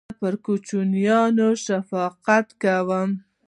زه پر کوچنیانو شفقت کوم.